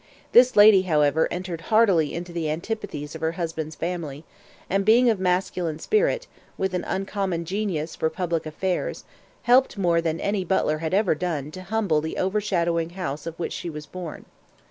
This lady, however, entered heartily into the antipathies of her husband's family, and being of masculine spirit, with an uncommon genius for public affairs, helped more than any Butler had ever done to humble the overshadowing house of which she was born.